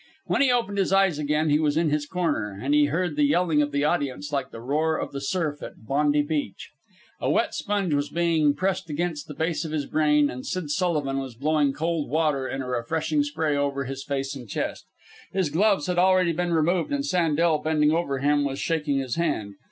When he opened his eyes again he was in his corner, and he heard the yelling of the audience like the roar of the surf at Bondi Beach. A wet sponge was being pressed against the base of his brain, and Sid Sullivan was blowing cold water in a refreshing spray over his face and chest. His gloves had already been removed, and Sandel, bending over him, was shaking his hand.